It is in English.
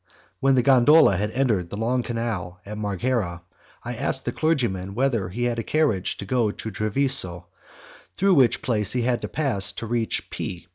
When the gondola had entered the long canal of Marghera, I asked the clergyman whether he had a carriage to go to Treviso, through which place he had to pass to reach P